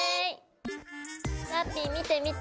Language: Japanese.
ラッピィ見て見て。